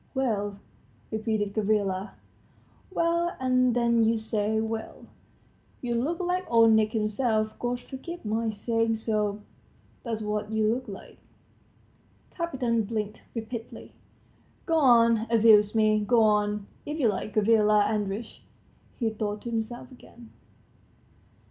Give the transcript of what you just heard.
"Well?" repeated Gavrila. "Well? And then you say well? You look like Old Nick himself, God forgive my saying so, that's what you look like." Kapiton blinked rapidly. "Go on abusing me, go on, if you like, Gavrila Andreitch," he thought to himself again.